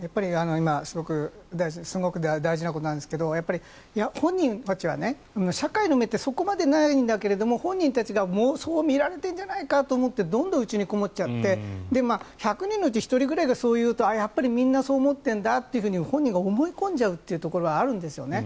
今すごく大事なことなんですけどやっぱり本人たちは社会の目ってそこまでないんだけれども本人たちが妄想を見られているんじゃないかとどんどん内にこもっちゃって１００人のうち１人ぐらいがそういうと、やっぱりみんなそう思っているんだと本人が思い込んでしまうところがあるんですよね。